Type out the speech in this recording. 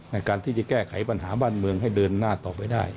ในการที่จะแก้ไขปัญหาบ้านเมืองให้เดินหน้าต่อไปได้